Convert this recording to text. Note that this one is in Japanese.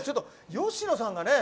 吉野さんがね